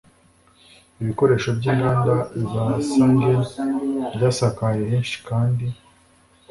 ibikoresho by inganda za sangoen byasakaye henshi kandi